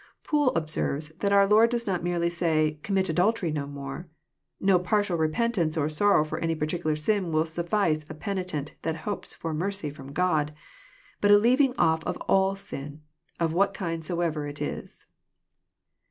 Poole observes that our Lord does not merely say *' Commit adultery no more. No partial repentance or sorrow for any par ticular sin will suffice a penitent that hopes for mercy &om God ; but a leaving off all sin, of what kind soever it is."